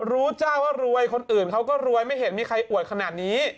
จ้าว่ารวยคนอื่นเขาก็รวยไม่เห็นมีใครอวดขนาดนี้